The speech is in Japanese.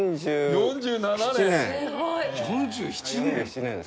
４７年ですね。